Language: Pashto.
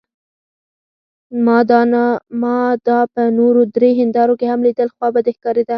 ما دا په نورو درې هندارو کې هم لیدل، خوابدې ښکارېده.